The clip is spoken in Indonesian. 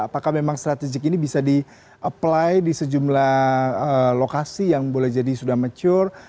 apakah memang strategik ini bisa di apply di sejumlah lokasi yang boleh jadi sudah mature